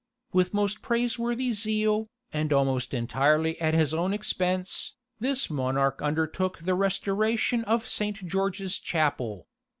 With most praiseworthy zeal, and almost entirely at his own expense, this monarch undertook the restoration of Saint George's Chapel.